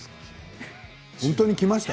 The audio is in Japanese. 本当にきました？